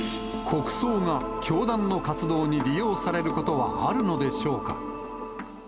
国葬が教団の活動に利用されることはあるのでしょうか。